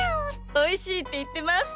おいしいっていってます。